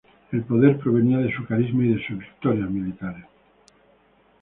El poder provenía de su carisma y de sus victorias militares.